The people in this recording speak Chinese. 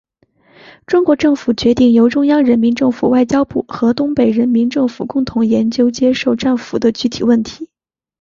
中国政府决定由中央人民政府外交部和东北人民政府共同研究接受战俘的具体问题。